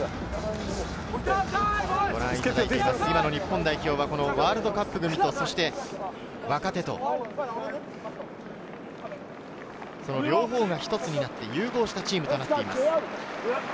今の日本代表はワールドカップ組と若手、両方が一つになって、融合したチームとなっています。